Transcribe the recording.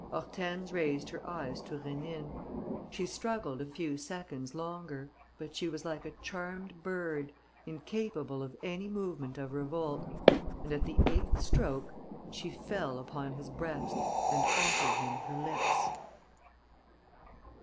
Hortense raised her eyes to Rénine. She struggled a few seconds longer. But she was like a charmed bird, incapable of any movement of revolt; and at the eighth stroke she fell upon his breast and offered him her lips....